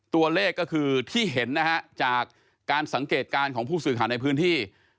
ตัวเลขก็คือที่เห็นนะฮะจากการสังเกตการณ์ของผู้สื่อข่าวในพื้นที่